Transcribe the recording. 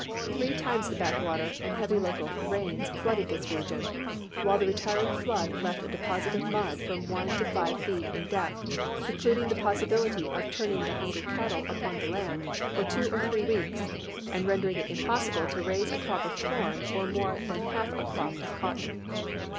Three times the backwater and heavy local rains flooded this region, while the retiring flood left a deposit of mud from one to five feet in depth, precluding the possibility of turning the hungry cattle upon the land for two or three weeks, and rendering it impossible to raise a crop of corn or more than half a crop of cotton.